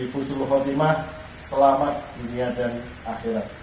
pusul khotimah selamat dunia dan akhirat